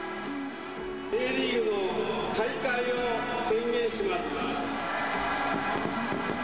Ｊリーグの開会を宣言します。